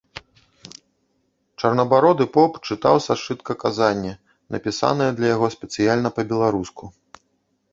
Чорнабароды поп чытаў са сшытка казанне, напісанае для яго спецыяльна па-беларуску.